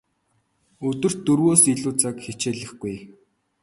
Өдөрт дөрвөөс илүү цаг хичээллэхгүй.